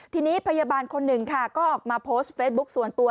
ทีนี้พยาบาลคนหนึ่งค่ะก็ออกมาโพสต์เฟซบุ๊คส่วนตัว